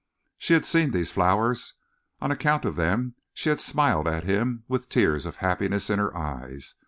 She had seen these flowers; on account of them she had smiled at him with tears of happiness in her eyes.